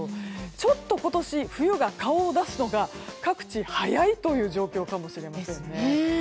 ちょっと今年、冬が顔を出すのが各地早い状況かもしれないです。